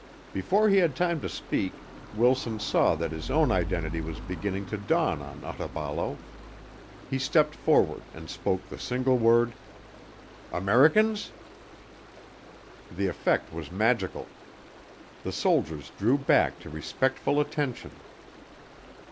Before he had time to speak Wilson saw that his own identity was beginning to dawn on Otaballo. He stepped forward and spoke the single word: "Americans?" The effect was magical. The soldiers drew back to respectful attention.